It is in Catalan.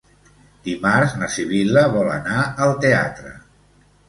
Dimarts na Sibil·la vol anar al teatre.